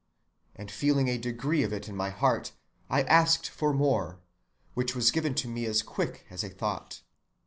and, feeling a degree of it in my heart, I asked for more, which was given to me as quick as thought.